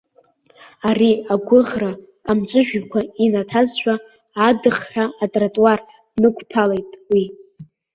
Ари агәыӷра амҵәыжәҩақәа инаҭазшәа, адыхҳәа атротуар днықәԥалеит уи.